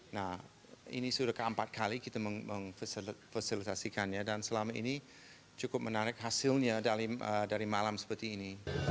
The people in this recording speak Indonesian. nah ini sudah keempat kali kita memfasilitasikannya dan selama ini cukup menarik hasilnya dari malam seperti ini